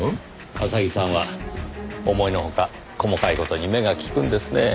浅木さんは思いのほか細かい事に目が利くんですねぇ。